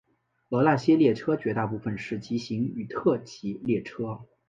而那些列车绝大部分是急行与特急列车。